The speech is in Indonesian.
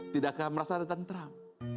tidakkah anda merasa tertentram